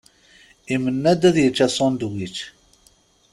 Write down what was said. Imenna-d ad yečč asunedwič.